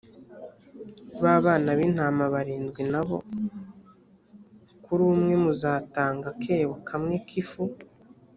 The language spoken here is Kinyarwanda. ba bana b’intama barindwi na bo, kuri umwe muzatanga akebo kamwe k’ifu.